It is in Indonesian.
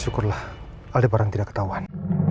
syukurlah ada barang tidak ketahuan